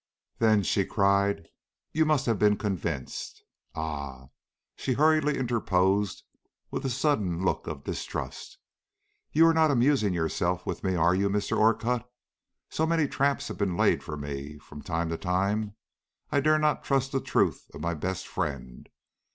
"Then," she cried, "you must have been convinced, Ah!" she hurriedly interposed, with a sudden look of distrust, "you are not amusing yourself with me, are you, Mr. Orcutt? So many traps have been laid for me from time to time, I dare not trust the truth of my best friend.